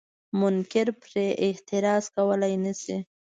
منکر پرې اعتراض کولای نشي.